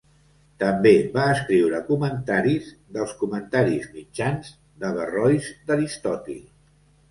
També va escriure comentaris dels comentaris mitjans d'Averrois d'Aristòtil.